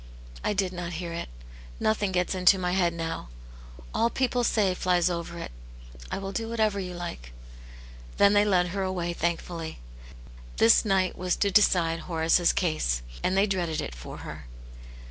" I did not hear it. Nothing gets into my head now ; all people say flies over it. I will do whatever you l^ke." Then they led her away thankfully; this night was to decide Horace's case, and they dreaded it for her.